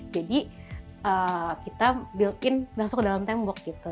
jadi kita build in langsung ke dalam tembok gitu